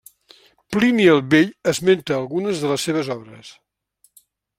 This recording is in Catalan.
Plini el Vell esmenta algunes de les seves obres.